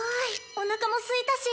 おなかもすいたし。